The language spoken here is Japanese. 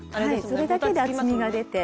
それだけで厚みが出て。